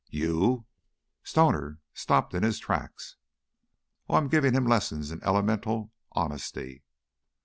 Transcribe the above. "You " Stoner stopped in his tracks. "Oh, I'm giving him lessons in elemental honesty."